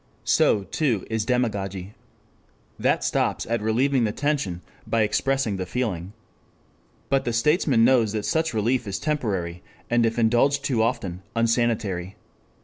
So, too, is demagogy. That stops at relieving the tension by expressing the feeling. But the statesman knows that such relief is temporary, and if indulged too often, unsanitary.